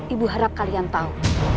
ibu harap kalian tahu